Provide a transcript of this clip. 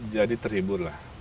jadi terhibur lah